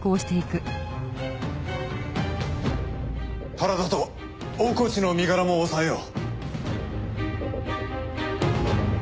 原田と大河内の身柄も押さえよう。